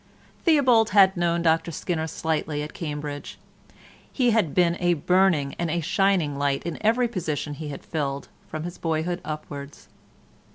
Theobald had known Dr Skinner slightly at Cambridge. He had been a burning and a shining light in every position he had filled from his boyhood upwards.